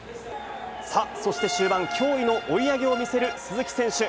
さあ、そして終盤、驚異の追い上げを見せる鈴木選手。